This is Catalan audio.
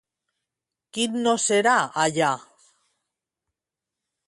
Quin no serà allà?